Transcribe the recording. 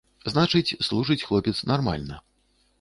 Значыць, служыць хлопец нармальна.